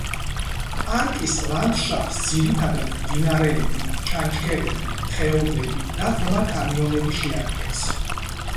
პარკის ლანდშაფტს ძირითადად მდინარეები, ჩანჩქერები, ხეობები და ღრმა კანიონები შეადგენს.